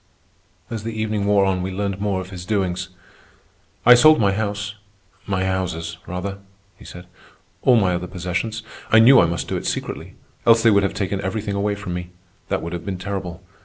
As the evening wore on we learned more of his doings. "I sold my house—my houses, rather," he said, "all my other possessions. I knew I must do it secretly, else they would have taken everything away from me. That would have been terrible.